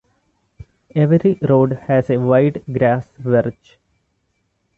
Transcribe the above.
Every road has a wide grass verge.